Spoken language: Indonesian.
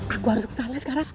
aku harus kesalahan sekarang